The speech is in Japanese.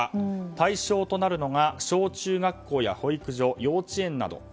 対象となるのが小中学校や保育所幼稚園など。